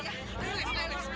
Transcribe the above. semuanya udah ya